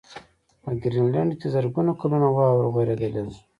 په ګرینلنډ کې زرګونه کلونه واوره ورېدلې ده.